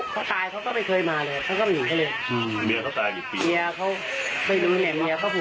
แบบนี่สัยก็เป็นยังไง